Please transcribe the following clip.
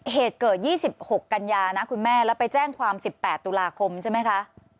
เหตุเกิด๒๖กันยานะคุณแม่แล้วไปแจ้งความ๑๘ตุลาคมใช่ไหมคะ